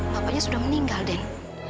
bapaknya sudah meninggal den